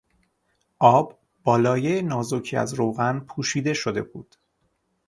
آب با لایهی نازکی از روغن پوشیده شده بود.